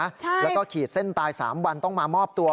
ใช่แล้วก็ขีดเส้นตาย๓วันต้องมามอบตัว